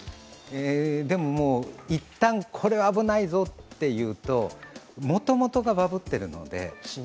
でも、一旦これは危ないぞというと、もともとがバブってるので。